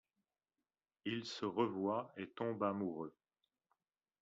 Ils se revoient et tombent amoureux.